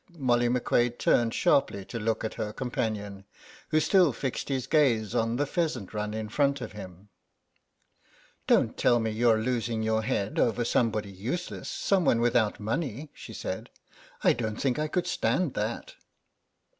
Molly McQuade turned sharply to look at her companion, who still fixed his gaze on the pheasant run in front of him. "Don't tell me you're losing your head over somebody useless, someone without money," she said; "I don't think I could stand that."